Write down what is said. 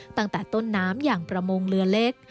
ตั้งแต่ต้นน้ำอย่างประมงเรือเล็ก